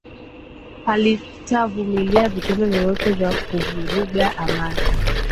halitavumilia vitendo vyovyote vya kuvuruga amani